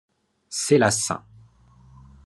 C’est la St.